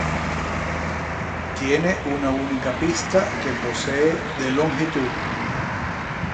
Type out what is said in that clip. Tiene una única pista que posee de longitud.